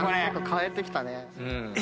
変えてきたね。